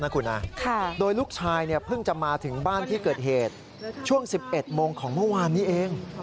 โดยลูกชายเนี่ยเพิ่งจะมาถึงบ้านที่เกิดเหตุช่วง๑๑โมงของเมื่อวานนี้เอง